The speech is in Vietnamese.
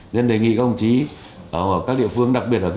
nên đề nghị các ông chí ở các địa phương đặc biệt là